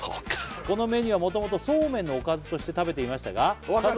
このメニューはもともとそうめんのおかずとして食べていましたがわかる！